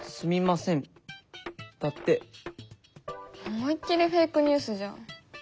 思いっ切りフェイクニュースじゃん。